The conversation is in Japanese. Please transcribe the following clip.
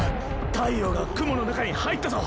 太陽が雲の中に入ったぞッ！